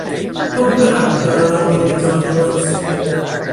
Com puc anar a Conca de Dalt diumenge a les dues?